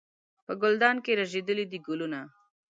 په ګلدان کې رژېدلي دي ګلونه